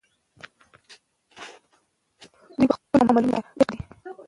دی په خپلو عملونو کې صادق دی.